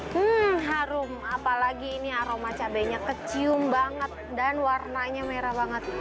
hmm harum apalagi ini aroma cabainya kecium banget dan warnanya merah banget